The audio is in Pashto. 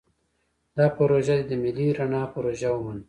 دا پروژه دې د ملي رڼا پروژه ومنو.